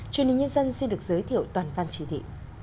truyền hình nhân dân xin được giới thiệu toàn văn chỉ thị